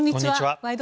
「ワイド！